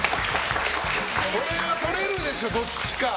これはとれるでしょ、どっちか。